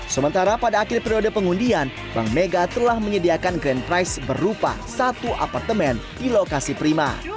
sementara pada akhir periode pengundian bank mega telah menyediakan grand price berupa satu apartemen di lokasi prima